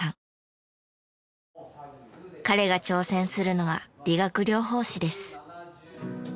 彼が挑戦するのは理学療法士です。